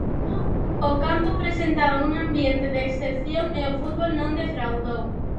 O campo presentaba un ambiente de excepción e o fútbol non defraudou.